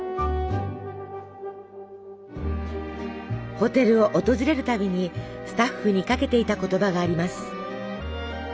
ホテルを訪れるたびにスタッフにかけていた言葉があります。